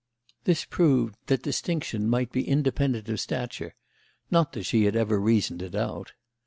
This proved that distinction might be independent of stature—not that she had ever reasoned it out.